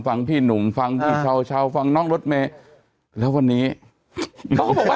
ฟังพี่หนุงฟังพี่ชาวชาวฟังนอกรถเมละแล้ววันนี้เขาก็บอกว่า